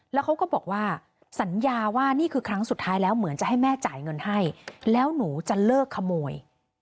แล้วเขาก็บอกว่าสัญญาว่านี่คือครั้งสุดท้ายแล้วเหมือนจะให้แม่จ่ายเงินให้แล้วหนูจะเลิกขโมย